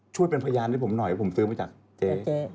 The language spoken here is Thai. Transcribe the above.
ช่วยเป็นพยานให้ผมหน่อยผมซื้อมาจากเจ๊